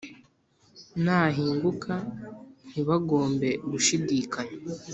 nahinguka ntibagombe gushidikanya